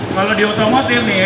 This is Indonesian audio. kalau di otomotif nih